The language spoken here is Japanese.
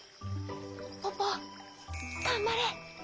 ポポがんばれ！